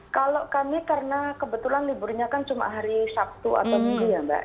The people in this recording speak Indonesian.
kalau kami karena kebetulan liburnya kan cuma hari sabtu atau minggu ya mbak